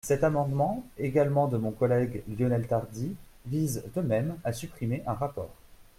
Cet amendement, également de mon collègue Lionel Tardy, vise, de même, à supprimer un rapport.